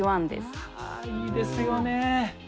あいいですよね。